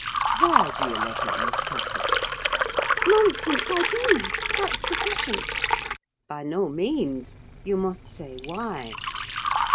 "Why do you love him, Miss Cathy?" "Nonsense, I do—that's sufficient." "By no means; you must say why?"